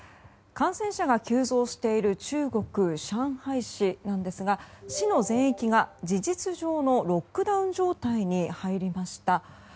感染者が急増している中国・上海市なんですが市の全域が事実上のロックダウン状態に入りました。